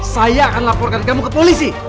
saya akan laporkan kamu ke polisi